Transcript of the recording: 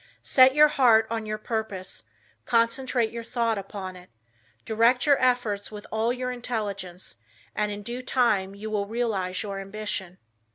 Set your heart on your purpose, concentrate your thought upon it, direct your efforts with all your intelligence and in due time you will realize your ambition.